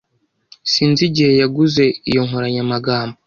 Sinzi igihe yaguze iyo nkoranyamagambo.